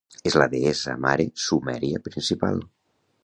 És la deessa-mare sumèria principal.